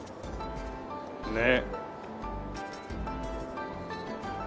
ねえ。